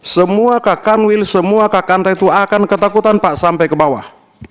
semua kakanwil semua kakanta itu akan ketakutan pak sampai ke bawah